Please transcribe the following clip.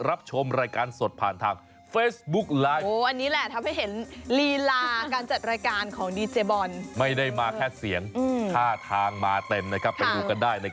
โอ้โหแต่ลีลาน้ำเสียงแกมันสักครู่นี่